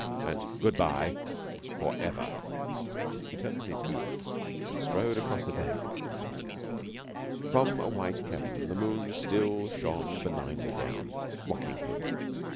And good bye for ever." He turned on his heel and strode across the deck. From a white heaven the moon still shone benignantly down, mocking him.